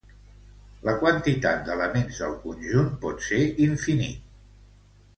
La quantitat d'elements del conjunt pot ser infinit.